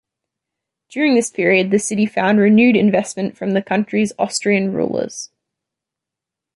During this period the city found renewed investment from the country's Austrian rulers.